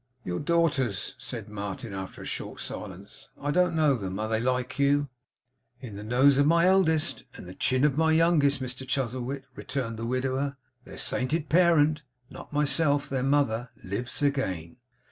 'Your daughters,' said Martin, after a short silence. 'I don't know them. Are they like you?' 'In the nose of my eldest and the chin of my youngest, Mr Chuzzlewit,' returned the widower, 'their sainted parent (not myself, their mother) lives again.